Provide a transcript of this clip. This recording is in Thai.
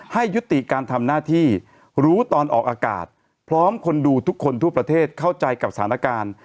ให้ยุติการทำหน้าที่รู้ตอนออกอากาศพร้อมคนดูทุกคนทั่วประเทศเข้าใจกับสถานการณ์